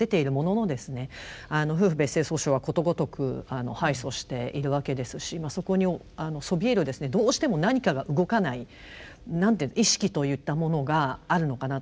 夫婦別姓訴訟はことごとく敗訴しているわけですしそこにそびえるですねどうしても何かが動かないなんて言う意識といったものがあるのかなと。